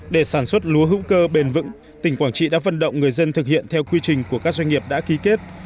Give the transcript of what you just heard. để sản xuất lúa hữu cơ bền vững tỉnh quảng trị đã vận động người dân thực hiện theo quy trình của các doanh nghiệp đã ký kết